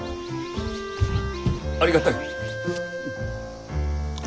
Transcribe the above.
ありがたい。